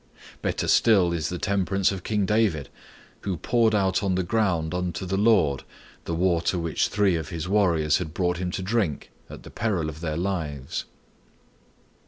Better still is the temperance of King David, who poured out on the ground unto the Lord the water which three of his warriors had brought him to drink, at the peril of their lives.